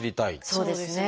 そうですね。